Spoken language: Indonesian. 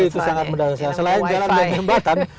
itu sangat mendasar selain jalan dan jembatan